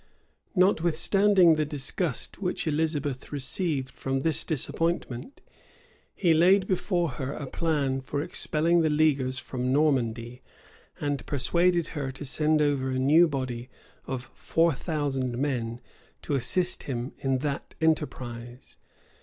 [] Notwithstanding the disgust which Elizabeth received from this disappointment, he laid before her a plan for expelling the leaguers from Normandy, and persuaded her to send over a new body of four thousand men, to assist him in that enterprise.